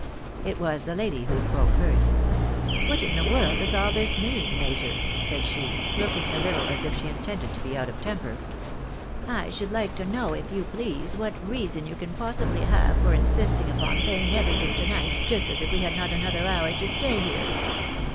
It was the lady who spoke first. "What in the world does all this mean, major?" said she, looking a Uttle as if she intended to be out of temper. " I should like to know, if you please, what reason you can possibly have for insisting upon paying everything to night, just as if we had not another hour to stay here